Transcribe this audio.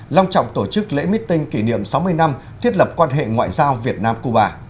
long trọng tổ chức lễ meeting kỷ niệm sáu mươi năm thiết lập quan hệ ngoại giao việt nam cuba